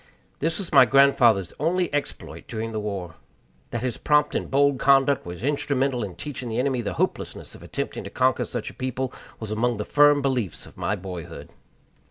This was my grandfather's only exploit during the war. That his prompt and bold conduct was instrumental in teaching the enemy the hopelessness of attempting to conquer such a people was among the firm beliefs of my boyhood.